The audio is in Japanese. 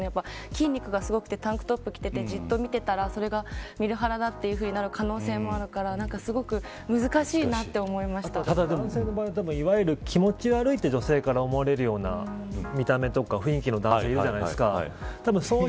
筋肉がすごくてタンクトップを着ていてじっと見てたら、それが見るハラだということになる可能性もあるから男性の場合、気持ち悪いと女性から思われるような見た目とか雰囲気の男性いるじゃないですか。